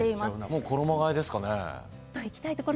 もう衣がえですかね？